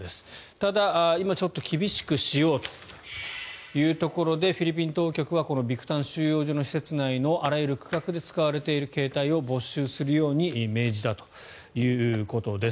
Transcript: ただ、今厳しくしようというところでフィリピン当局はこのビクタン収容所の施設内のあらゆる区画で使われている携帯を没収するように命じたということのようです。